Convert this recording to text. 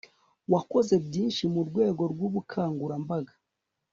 wakoze byinshi mu rwego rw'ubukangurambaga